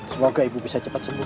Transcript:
semoga ibu bisa cepat sembuh